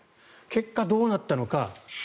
結果、どうなったのか。